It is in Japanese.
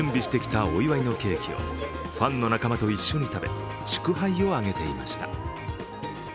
このために準備してきたお祝いのケーキをファンの仲間と一緒に食べ祝杯を挙げていました。